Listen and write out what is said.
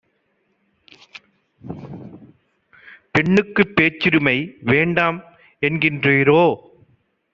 "பெண்ணுக்குப் பேச்சுரிமை வேண்டாம்என் கின்றீரோ?